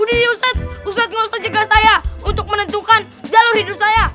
udah deh ustadz ustadz ngosot jaga saya untuk menentukan jalur hidup saya